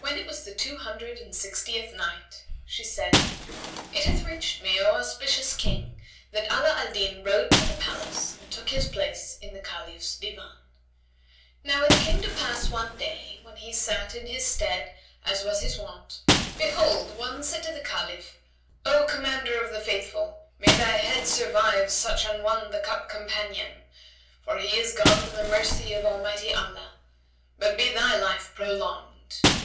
When it was the Two Hundred and Sixtieth Night, She said, It hath reached me, O auspicious King, that Ala al Din rode to the palace and took his place in the Caliph's Divan. Now it came to pass one day, when he sat in his stead as was his wont, behold, one said to the Caliph, "O Commander of the Faithful, may thy head survive such an one the cup companion!; for he is gone to the mercy of Almighty Allah, but be thy life prolonged!"